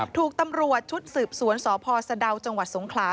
ถูกตำรวจชุดสืบสวนสพสะดาวจังหวัดสงขลา